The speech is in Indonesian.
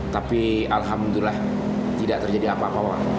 tapi alhamdulillah tidak terjadi apa apa